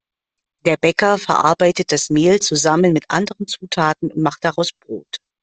Der Bäcker verarbeitet das Mehl zusammen mit anderen Zutaten und macht daraus Brot.